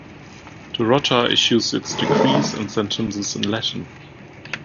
The Rota issues its decrees and sentences in Latin.